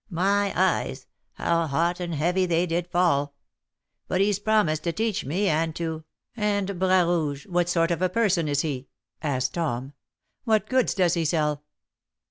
My eyes! how hot and heavy they did fall! But he's promised to teach me, and to " "And Bras Rouge, what sort of a person is he?" asked Tom. "What goods does he sell?"